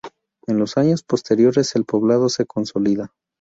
En los años posteriores el poblado se consolida.